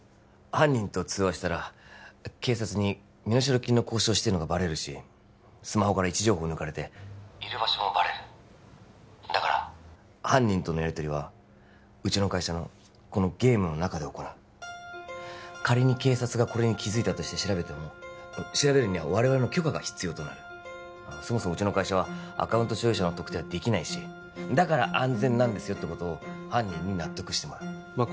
犯人と通話したら警察に身代金の交渉をしてるのがバレるしスマホから位置情報抜かれている場所もバレるだから犯人とのやりとりはうちの会社のこのゲームの中で行う仮に警察がこれに気づいたとして調べても調べるには我々の許可が必要となるそもそもうちの会社はアカウント所有者の特定はできないしだから安全なんですよってことを犯人に納得してもらうまあ